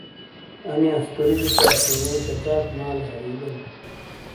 انہ استوریجے سے اسانیئے کچاک مالے ہری بین ۔